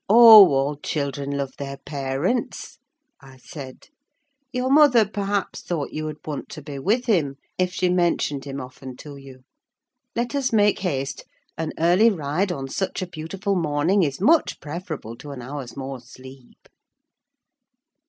"Oh, all children love their parents," I said. "Your mother, perhaps, thought you would want to be with him if she mentioned him often to you. Let us make haste. An early ride on such a beautiful morning is much preferable to an hour's more sleep."